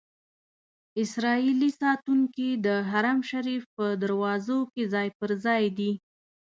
اسرائیلي ساتونکي د حرم شریف په دروازو کې ځای پر ځای دي.